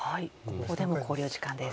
ここでも考慮時間です。